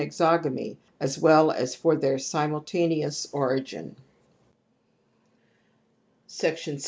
exogamy as weU as for their simultaneous origin.